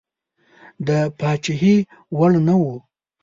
د پاچهي وړ نه وو.